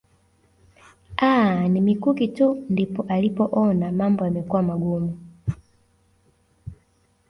Aah ni mikuki tu ndipo alipoona mambo yamekuwa magumu